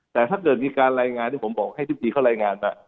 แต่ถ้าเกิดมีการรายงานที่ผมบอกให้ทุกทีเขารายงานมา